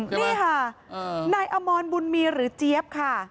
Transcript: นี่ค่ะนายอมรบุญมีหรือเจี๊ยบค่ะ